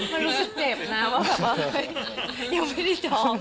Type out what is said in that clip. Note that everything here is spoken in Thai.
มันรู้สึกเจ็บนะว่ายังไม่ได้ท้อง